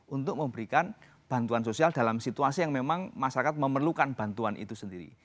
untuk memberikan bantuan sosial dalam situasi yang memang masyarakat memerlukan bantuan itu sendiri